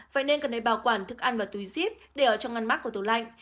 vậy nên cần phải bảo quản thức ăn và tùy díp để ở trong ngăn mát của tủ lạnh